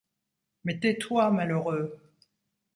Mais tais-toi, malheureux !